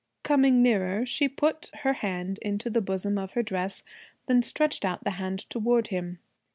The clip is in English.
Coming nearer, she put her hand into the bosom of her dress, then stretched out the hand toward him.